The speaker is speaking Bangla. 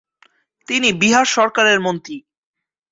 তিনি বিহার সরকারের মন্ত্রী।